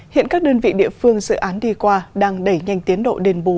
hiện các đơn vị địa phương dự án đi qua đang đẩy nhanh tiến độ đền bù